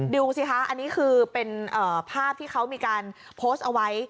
ดูสิคะอันนี้คือเป็นภาพที่เขามีการโพสต์เอาไว้